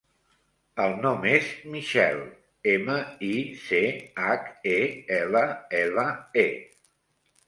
El nom és Michelle: ema, i, ce, hac, e, ela, ela, e.